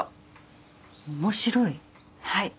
はい。